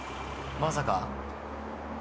まさか？